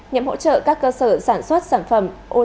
nhậm hỗ trợ các cơ sở sản xuất sản phẩm ocop